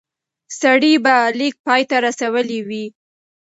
سړی به لیک پای ته رسولی وي.